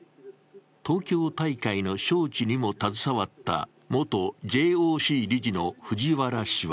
東京大会の招致にも携わった元ＪＯＣ理事の藤原氏は